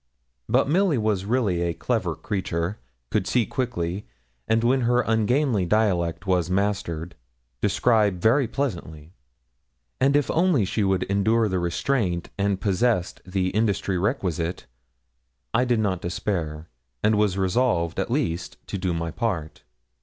But Milly was really a clever creature, could see quickly, and when her ungainly dialect was mastered, describe very pleasantly; and if only she would endure the restraint and possessed the industry requisite, I did not despair, and was resolved at least to do my part.